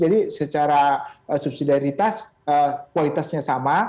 jadi secara subsidiaryitas kualitasnya sama